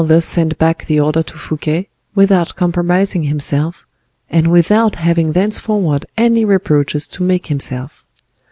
D'Artagnan thus sent back the order to Fouquet, without compromising himself, and without having thenceforward any reproaches to make himself.